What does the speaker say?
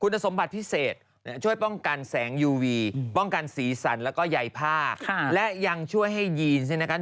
เธอสมภัฐพิเศษช่วยป้องกันแสงยูวีป้องกันสีสันและใหญ่ภาค